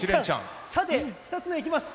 ２つ目、行きます。